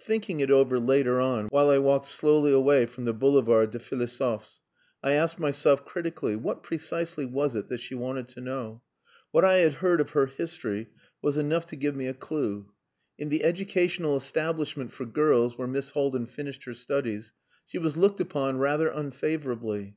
Thinking it over, later on, while I walked slowly away from the Boulevard des Philosophes, I asked myself critically, what precisely was it that she wanted to know? What I had heard of her history was enough to give me a clue. In the educational establishment for girls where Miss Haldin finished her studies she was looked upon rather unfavourably.